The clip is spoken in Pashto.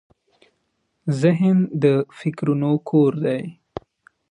ذهن د فکرونو کور دی.